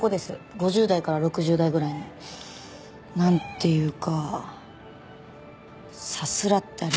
５０代から６０代ぐらいの。なんていうかさすらったり。